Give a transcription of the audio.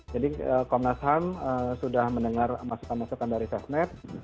jadi komnas ham sudah mendengar masukan masukan dari sesmed